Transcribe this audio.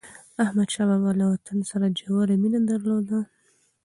احمدشاه بابا له وطن سره ژوره مینه درلوده.